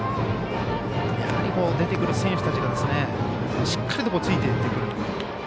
やはり出てくる選手たちがしっかりとついていく。